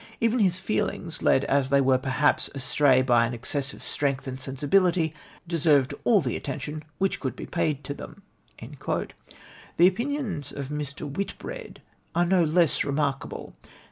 Even his feelings, led as they were, perhaps, astray by an excess of strength and sensibility, deserved all the attention which could be paid to them." Tlie opinions of Mr. Whitbread are no less re markable.